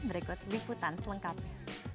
berikut liputan selengkapnya